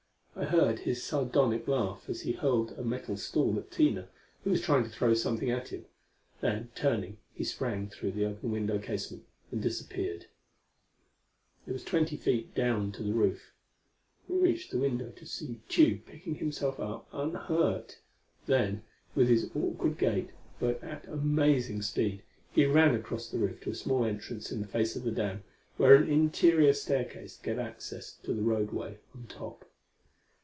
I heard his sardonic laugh as he hurled a metal stool at Tina, who was trying to throw something at him. Then, turning, he sprang through the open window casement and disappeared. It was twenty feet down to the roof. We reached the window to see Tugh picking himself up unhurt. Then, with his awkward gait but at amazing speed, he ran across the roof to a small entrance in the face of the dam where an interior staircase gave access to the roadway on top.